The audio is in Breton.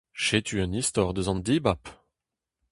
Setu un istor eus an dibab !